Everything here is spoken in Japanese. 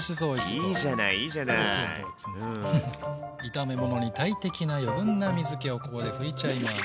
炒め物に大敵な余分な水けをここで拭いちゃいます。